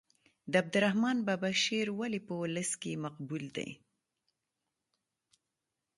د عبدالرحمان بابا شعر ولې په ولس کې مقبول دی.